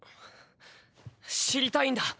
知りたいんだ。